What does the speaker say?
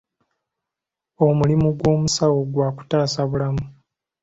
Omulimu gw'omusawo gwa kutaasa bulamu.